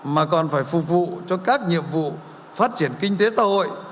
mà còn phải phục vụ cho các nhiệm vụ phát triển kinh tế xã hội